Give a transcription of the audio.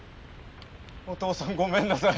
お義父さんごめんなさい。